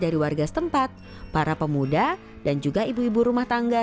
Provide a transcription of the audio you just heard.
dari warga setempat para pemuda dan juga ibu ibu rumah tangga